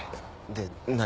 で何？